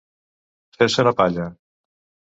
Fer-se una palla.